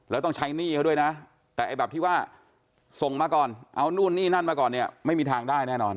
แล้วต้องใช้หนี้เขาด้วยนะแต่ไอ้แบบที่ว่าส่งมาก่อนเอานู่นนี่นั่นมาก่อนเนี่ยไม่มีทางได้แน่นอน